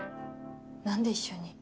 何で一緒に？